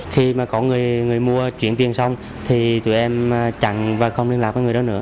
khi mà có người mua chuyển tiền xong thì tụi em chẳng và không liên lạc